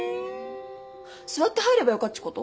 座って入ればよかっちこと？